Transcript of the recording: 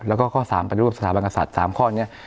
แล้วก็ข้อสามเป็นรูปสถาบังกษัตริย์สามข้อนี้